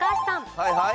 はいはい。